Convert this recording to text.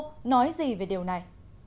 các thầy cô nói gì về điều này